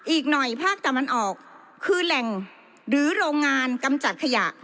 อีกหน่อยภาคตะวันออกคือแหล่งหรือโรงงานกำจัดขยะ